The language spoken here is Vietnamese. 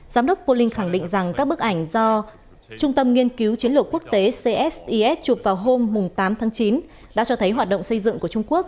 giám đốc poling khẳng định rằng các bức ảnh do trung tâm nghiên cứu chiến lược quốc tế csis chụp vào hôm tám tháng chín đã cho thấy hoạt động xây dựng của trung quốc